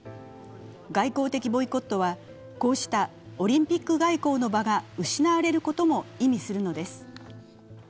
外交的ボイコットはこうしたオリンピック外交の場が失われることも意味するのです。